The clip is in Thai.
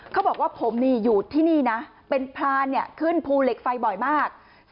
เขาบอกว่าผมนี่อยู่ที่นี่นะเป็นพรานขึ้นภูเหล็กไฟบ่อยมาก